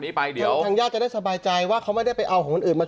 นี้ไปเดี๋ยวอยากจะได้สบายใจว่าเขาไม่ได้ไปเอาของอื่นมา